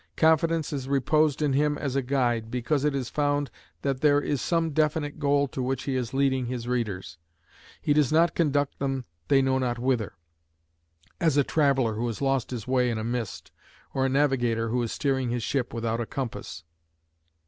Confidence is reposed in him as a guide, because it is found that there is some definite goal to which he is leading his readers: he does not conduct them they know not whither, as a traveller who has lost his way in a mist, or a navigator who is steering his ship without a compass.